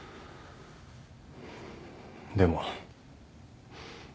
でも。